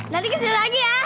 nanti kesini lagi ya